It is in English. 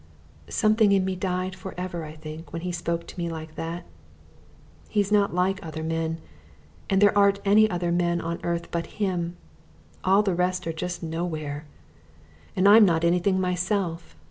Something in me died for ever, I think, when he spoke to me like that. He's not like other men, and there aren't any other men on earth but him! All the rest are just nowhere. And I'm not anything myself.